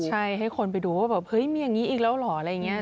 ใช่ให้คนไปดูว่าแบบเฮ้ยมีอย่างนี้อีกแล้วเหรออะไรอย่างนี้